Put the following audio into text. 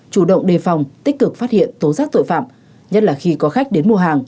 chủ động đề phòng tích cực phát hiện tố giác tội phạm nhất là khi có khách đến mua hàng